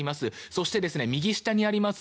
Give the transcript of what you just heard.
そして、右下にあります